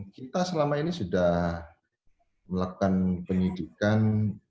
kita selama ini sudah melakukan penyidikan